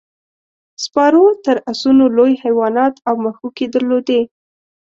سپارو تر اسونو لوی حیوانات او مښوکې درلودې.